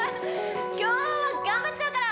今日は頑張っちゃうから！